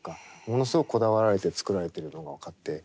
ものすごくこだわられて作られてるのが分かって。